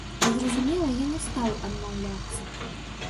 Зразумела, я не стаў адмаўляцца.